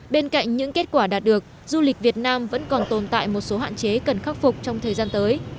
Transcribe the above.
bên cạnh những kết quả đạt được du lịch việt nam vẫn còn tồn tại một số hạn chế cần khắc phục trong thời gian tới